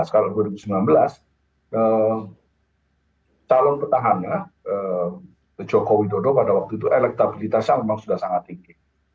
kalau dua ribu sembilan belas calon petahana jokowi dodo pada waktu itu elektabilitasnya memang sudah sangat tinggi